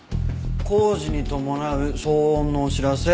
「工事に伴う騒音のお知らせ」